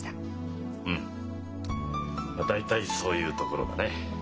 うん大体そういうところだね。